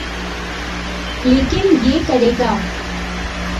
لیکن یہ کرے گا۔